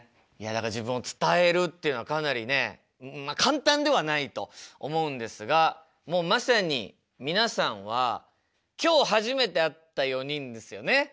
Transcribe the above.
いやだから自分を伝えるっていうのはかなりね簡単ではないと思うんですがもうまさに皆さんは今日初めて会った４人ですよね？